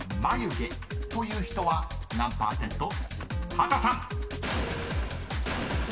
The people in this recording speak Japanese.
［畑さん］